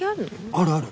あるある。